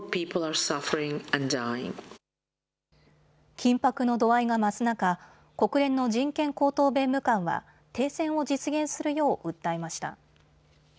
緊迫の度合いが増す中、国連の人権高等弁務官は停戦を実現するよう訴えました。